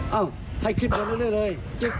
เอาให้คลิปเหลือเลย